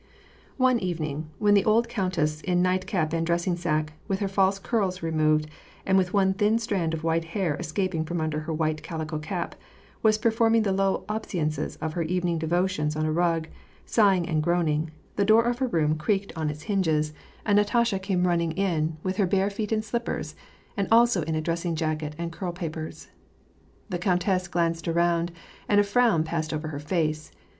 One evening, when the old countess, in night cap and dress ing sack, with her false curls removed, and with one thin strand of white hair escaping from under her white calico cap, was performing the low obeisances of her evening devotions on a rug, sighing and groaning, the door of her room creaked on its VOL. 2. — 13. 194 WAR AND PEACE, hinges, and Natasha came ruDning in, with her bare feet in slippers, and also in dressing jacket and curl papers. Tne countess glanced around, and a frown passed over her face.